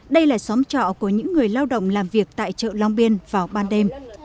đây là xóm trọ của những người lao động làm việc tại chợ long biên vào ban đêm